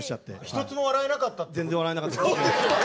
１つも笑えなかったってこと？